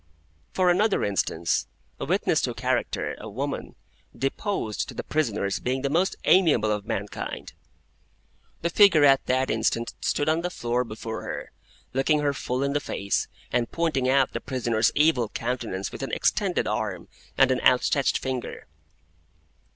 For another instance: a witness to character, a woman, deposed to the prisoner's being the most amiable of mankind. The figure at that instant stood on the floor before her, looking her full in the face, and pointing out the prisoner's evil countenance with an extended arm and an outstretched finger.